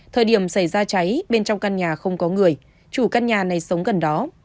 thời điểm xảy ra cháy bên trong căn nhà không có người chủ căn nhà này sống gần đó